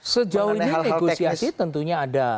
sejauh ini negosiasi tentunya ada